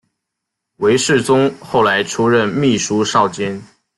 韦士宗后来出任秘书少监。